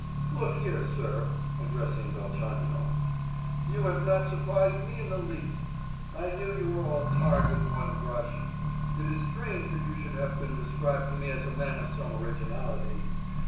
Look here, sir (addressing Velchaninoff), you have not surprised me in the least. I knew you were all tarred with one brush. It is strange that you should have been described to me as a man of some originality.